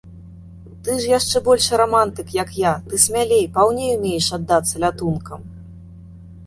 Ты ж яшчэ большы рамантык, як я, ты смялей, паўней умееш аддацца лятункам.